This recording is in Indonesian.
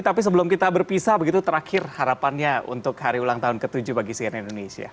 tapi sebelum kita berpisah begitu terakhir harapannya untuk hari ulang tahun ke tujuh bagi cnn indonesia